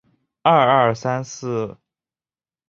厚板表孔珊瑚为轴孔珊瑚科表孔珊瑚属下的一个种。